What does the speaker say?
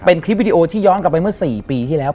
เป็นคลิปวิดีโอที่ย้อนกลับไปเมื่อ๔ปีที่แล้ว